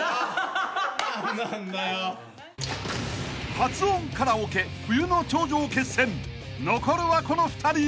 ［発音カラオケ冬の頂上決戦残るはこの２人］